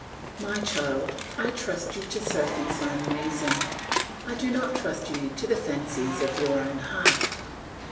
My child, I trust you to Sophy's own reason; I do not trust you to the fancies of your own heart.